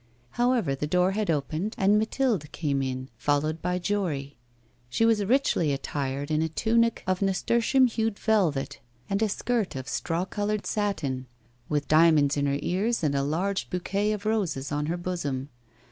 However, the door had opened, and Mathilde came in, followed by Jory. She was richly attired in a tunic of nasturtium hued velvet and a skirt of straw coloured satin, with diamonds in her ears and a large bouquet of roses on her bosom.